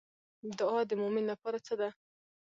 دعا د مومن لپاره څه ده؟